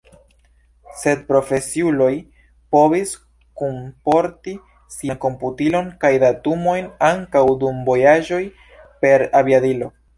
Sed profesiuloj povis kunporti sian komputilon kaj datumojn, ankaŭ dum vojaĝoj per aviadilo.